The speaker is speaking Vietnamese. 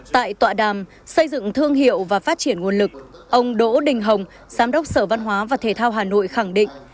tại tọa đàm xây dựng thương hiệu và phát triển nguồn lực ông đỗ đình hồng giám đốc sở văn hóa và thể thao hà nội khẳng định